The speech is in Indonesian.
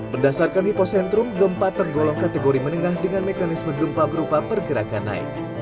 berdasarkan hipocentrum gempa tergolong kategori menengah dengan mekanisme gempa berupa pergerakan naik